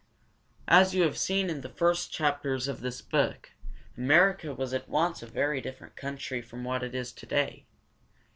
As you have seen in the first chapters of this book, America was once a very different country from what it is to day.